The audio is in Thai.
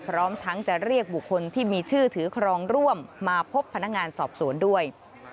พร้อมทั้งจะเรียกบุคคลที่มีชื่อถือครองร่วมมาพบพนักงานสอบสวนด้วย